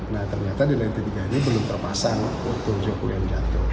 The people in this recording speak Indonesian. nah ternyata di lantai tiga ini belum terpasang untuk jokowi yang pidato